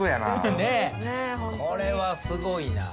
ねぇこれはすごいな。